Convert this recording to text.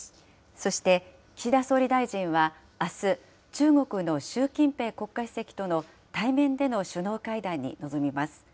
そして、岸田総理大臣はあす、中国の習近平国家主席との対面での首脳会談に臨みます。